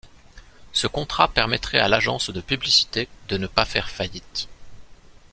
Ce contrat permettrait à l'agence de publicité de ne pas faire faillite.